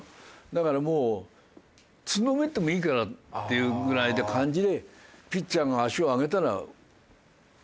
だからもうつんのめってもいいかなっていうぐらいの感じでピッチャーが足を上げたら足を上げる。